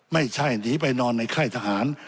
ไม่ใช่หนีไปนอนในค่ายทหาร